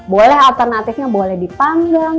boleh alternatifnya boleh dipanggang